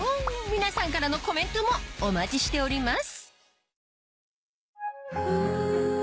皆さんからのコメントもお待ちしております